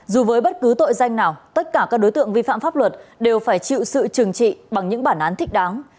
dù với bất cứ tội danh nào tất cả các đối tượng vi phạm pháp luật đều phải chịu sự trừng trị bằng những bản án thích đáng